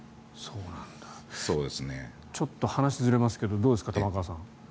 ちょっと話ずれますけどどうですか、玉川さん。